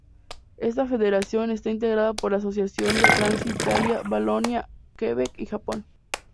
Esta federación está integrada por las asociaciones de Francia, Italia, Valonia, Quebec y Japón.